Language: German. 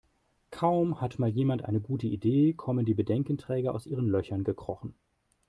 Kaum hat mal jemand eine gute Idee, kommen die Bedenkenträger aus ihren Löchern gekrochen.